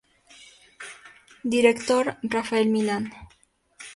Director: "Rafael Millán".